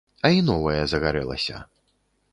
А і новае загарэлася.